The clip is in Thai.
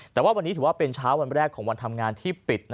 แต่ว่าวันนี้ถือว่าเป็นเช้าวันแรกของวันทำงานที่ปิด